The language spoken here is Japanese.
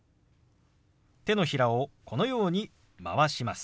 手のひらをこのように回します。